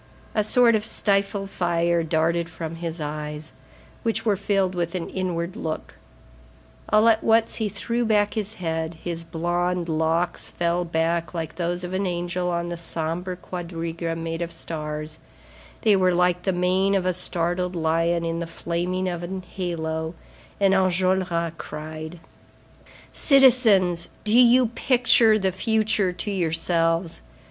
A sort of stifled fire darted from his eyes, which were filled with an inward look. All at once he threw back his head, his blond locks fell back like those of an angel on the sombre quadriga made of stars, they were like the mane of a startled lion in the flaming of an halo, and Enjolras cried: "Citizens, do you picture the future to yourselves?